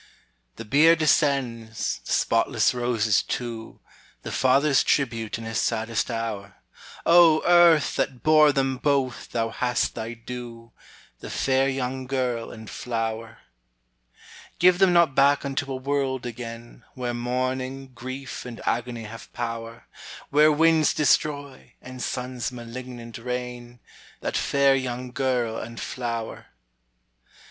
The bier descends, the spotless roses too, The father's tribute in his saddest hour: O Earth! that bore them both, thou hast thy due, The fair young girl and flower. Give them not back unto a world again, Where mourning, grief, and agony have power, Where winds destroy, and suns malignant reign, That fair young girl and flower.